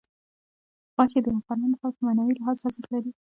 غوښې د افغانانو لپاره په معنوي لحاظ ارزښت لري.